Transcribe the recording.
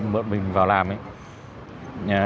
bọn mình vào làm ấy